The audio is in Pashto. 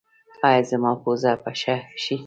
ایا زما پوزه به ښه شي؟